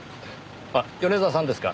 あっ米沢さんですか？